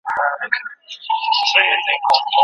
خپل د څېړني مواد په منطقي بڼه تنظیم کړه.